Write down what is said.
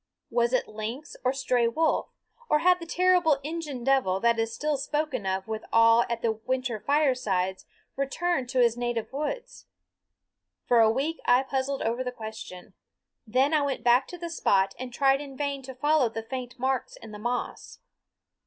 Was it lynx or stray wolf, or had the terrible Injun Devil that is still spoken of with awe at the winter firesides returned to his native woods? For a week I puzzled over the question; then I went back to the spot and tried in vain to follow the faint marks in the moss.